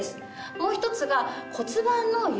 もう１つが。